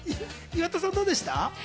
岩田さんどうでした？